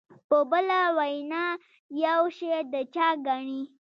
په بله وینا یو شی د چا ګڼي.